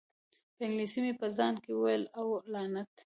په انګلیسي مې په ځان کې وویل: اوه، لعنت!